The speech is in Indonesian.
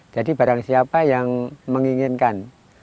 jadi barang siapa yang menginginkan